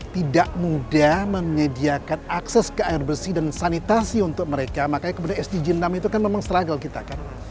tidak mudah menyediakan akses ke air bersih dan sanitasi untuk mereka makanya kemudian sdg enam itu kan memang struggle kita kan